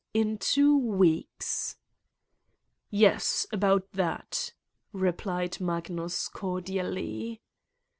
In two weeks?" "Yes, about that!" replied Magnus cordially.